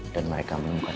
dan mereka menemukan